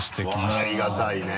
ありがたいね。